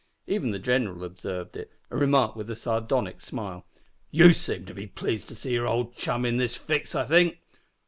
Even the "gineral" observed it, and remarked with a sardonic smile "You seem to be pleased to see your old chum in this fix, I think."